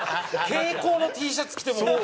蛍光のＴシャツ着てもう。